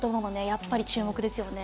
やっぱり注目ですよね。